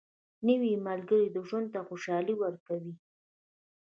نوې ملګرې ژوند ته خوشالي ورکوي